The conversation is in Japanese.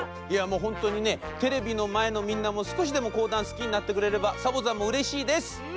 いやもうほんとにねテレビのまえのみんなもすこしでもこうだんすきになってくれればサボざんもうれしいです！